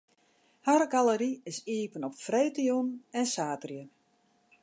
Har galery is iepen op freedtejûn en saterdei.